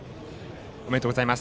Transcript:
おめでとうございます。